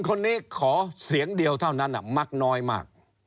คนนี้ขอเสียงเดียวเท่านั้นมักน้อยมาก